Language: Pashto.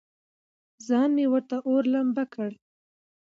ځان مې ورته اور، لمبه کړ.